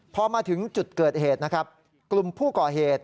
พอมาถึงจุดเกิดเหตุนะครับกลุ่มผู้ก่อเหตุ